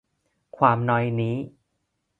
ความนอยนี้